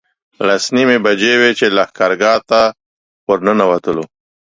لس نیمې بجې وې چې لښکرګاه ته ورنوتلو.